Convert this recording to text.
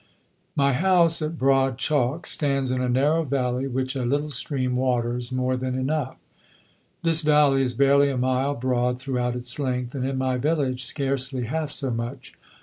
My house at Broad Chalke stands in a narrow valley, which a little stream waters more than enough. This valley is barely a mile broad throughout its length, and in my village scarcely half so much.